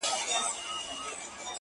o د خوشالۍ ياران ډېر وي٫